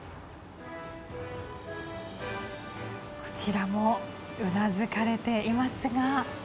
こちらもうなずかれていますが。